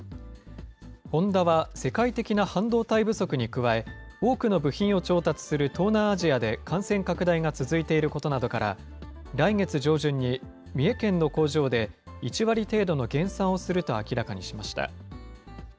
ホンダは世界的な半導体不足に加え、多くの部品を調達する東南アジアで感染拡大が続いていることなどから、来月上旬に三重県の工場で１割程度の減産をすると明らかにしました。